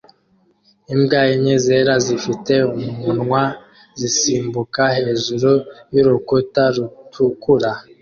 Imbwa enye zera zifite umunwa zisimbuka hejuru y'urukuta rutukura